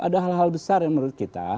ada hal hal besar yang menurut kita